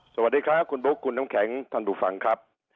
สวัสดีครับคุณบุ๊คคุณน้ำแข็งท่านผู้ฟังครับ